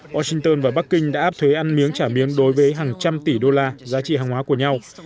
washington và bắc kinh đã áp thuế ăn miếng trả miếng đối với hàng trăm tỷ đô la giá trị hàng hóa của nhau